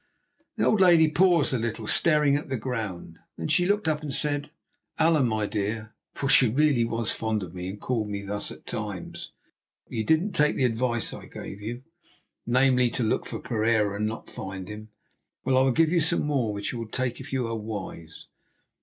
The old lady paused a little, staring at the ground. Then she looked up and said: "Allan, my dear" (for she was really fond of me, and called me thus at times), "you didn't take the advice I gave you, namely, to look for Pereira and not to find him. Well, I will give you some more, which you will take if you are wise."